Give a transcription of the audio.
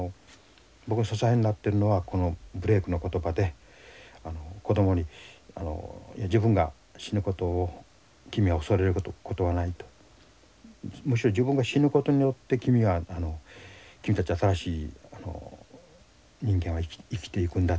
僕の支えになってるのはこのブレイクの言葉で子どもに自分が「死ぬことを君は恐れることはない」と「むしろ自分が死ぬことによって君は君たち新しい人間は生きていくんだ」と。